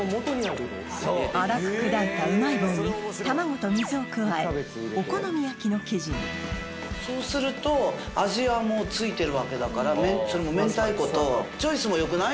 あらく砕いたうまい棒に卵と水を加えお好み焼きの生地にそうすると味はもう付いてるわけだからそれもめんたいことチョイスも良くない？